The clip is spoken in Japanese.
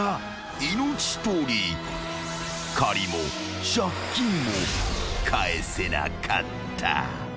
［借りも借金も返せなかった］